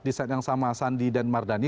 di saat yang sama sandi dan mardani